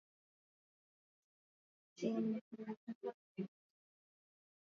jeshi la Uganda ya Bihanga, magharibi mwa Uganda